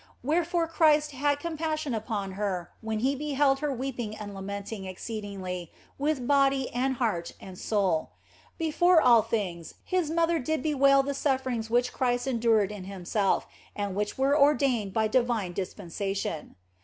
Wherefore Christ had compassion upon her when He beheld her weeping and lamenting exceedingly with body and heart and soul. Before all things His mother did bewail the sufferings which Christ endured in Himself and which were ordained by the divine dispensation.